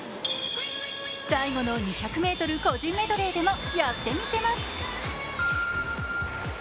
最後の２００ｍ個人メドレーでもやってみせます。